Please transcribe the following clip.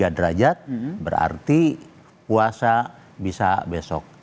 tiga derajat berarti puasa bisa besok